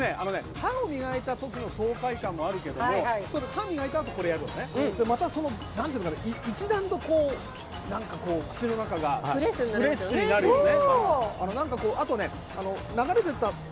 歯を磨いたときの爽快感もあるけど、歯を磨いた後にやるとなんていうんだろう、一連の口の中がフレッシュになるよね。